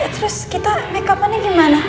terus kita makeup annya gimana